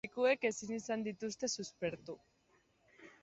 Medikuek ezin izan dituzte suspertu.